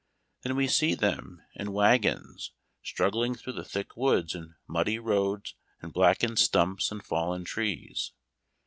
Then we see them, in wagons, strug gling through thick woods, and muddy roads, and blackened stumps, and fallen trees.